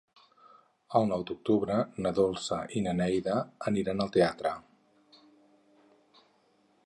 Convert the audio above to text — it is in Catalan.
El nou d'octubre na Dolça i na Neida aniran al teatre.